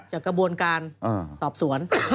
จากกระบวนการสอบสวน